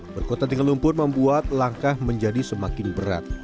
berkota tinggal lumpur membuat langkah menjadi semakin berat